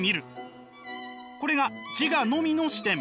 これが自我のみの視点。